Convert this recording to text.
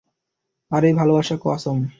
আর এই ভালোবাসা কসম।